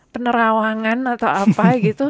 penerawangan atau apa gitu